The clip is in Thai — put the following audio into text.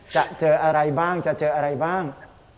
จะเจออะไรบ้างจะเจออะไรบ้าง